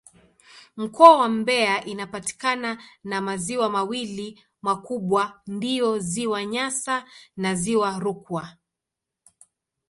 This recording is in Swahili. Mkoa wa Mbeya inapakana na maziwa mawili makubwa ndiyo Ziwa Nyasa na Ziwa Rukwa.